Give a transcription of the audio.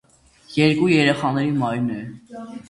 Երկու երեխաների մայրն է։